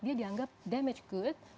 dia dianggap damage good